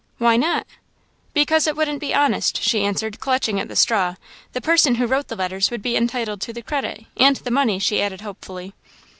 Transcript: "Why not?" "Because it wouldn't be honest," she answered, clutching at the straw, "the person who wrote the letters would be entitled to the credit and the money," she added hopefully.